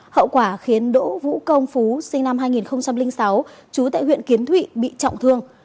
hậu quả khiến đỗ vũ công phú sinh năm hai nghìn sáu chú tại huyện kiến thụy bị trọng thương